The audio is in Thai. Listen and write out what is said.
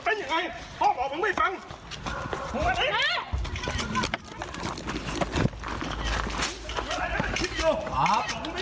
เขาควบคุมตัวเองไม่ได้